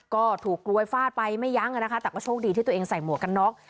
ก็ถูกกลวยฟาดไปไม่ยั้งนะคะแต่ก็โชคดีที่ตัวเองใส่หมวกกันน็อก